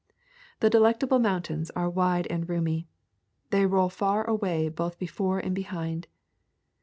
The Delectable Mountains are wide and roomy. They roll far away both before and behind.